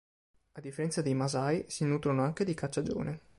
A differenza dei Masai, si nutrono anche di cacciagione.